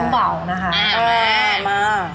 อ้อบ่าวนะคะอ่ามาก